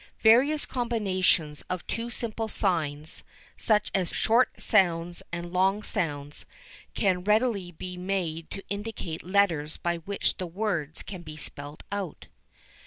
Various combinations of two simple signs, such as short sounds and long sounds, can readily be made to indicate letters by which the words can be spelt out.